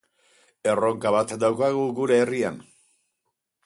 Erronka bat daukagu gure herrian.